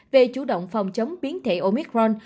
về chủ động phòng chống biến thể omicron